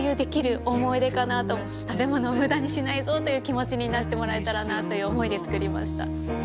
食べ物を無駄にしないぞという気持ちになってもらえたらなという思いで作りました。